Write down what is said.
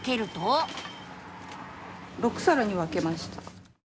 ・６さらに分けました。